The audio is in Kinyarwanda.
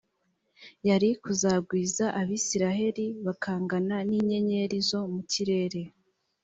yari kuzagwiza abisirayeli bakangana n inyenyeri zo mu kirere